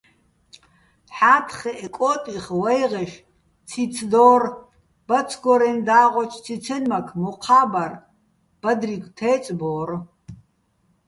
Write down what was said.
ჰ̦ა́თხეჸ კო́ტიხ ვა́ჲღეშ ციც დო́რ, ბაცგორეჼ და́ღოჩ ციცენმაქ მოჴა́ ბარ, ბადრიგო̆ თე́წბორ.